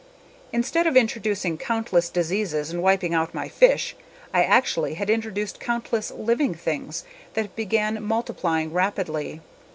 Instead of introducing countless diseases and wiping out my fish, I actually had introduced countless living things that began multiplying rapidly.